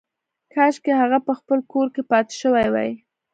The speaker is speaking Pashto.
کاشکې هغه په خپل کور کې پاتې شوې وای